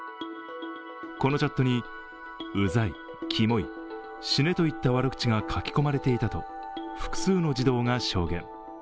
このチャットに、うざい、きもい、死ねといった悪口が書き込まれていたと複数の児童が証言。